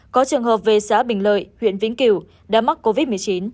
có trường hợp về xã bình lợi huyện vĩnh kiều đã mắc covid một mươi chín